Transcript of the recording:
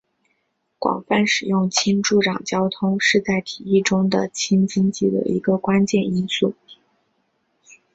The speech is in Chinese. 广泛使用氢助长交通是在提议中的氢经济的一个关键因素。